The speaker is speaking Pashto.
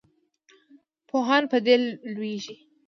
پوهان په دې لویږي.